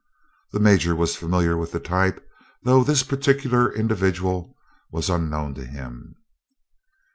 The Major was familiar with the type, though this particular individual was unknown to him.